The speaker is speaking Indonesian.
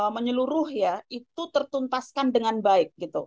menyaluruh ya itu tertuntaskan dengan baik